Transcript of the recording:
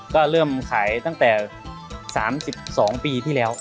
ก็เริ่มขายตั้งแต่๓๒ปีที่แล้ว